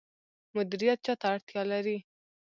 مدیریت چا ته اړتیا لري؟